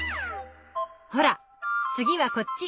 ほら次はこっち！